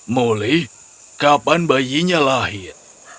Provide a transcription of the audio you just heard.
mulih kapan bayinya lahir